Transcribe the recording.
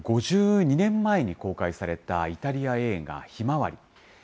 ５２年前に公開されたイタリア映画、ひまわり。